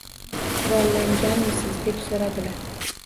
– “Qurollanganmisiz”? –deb so’radilar.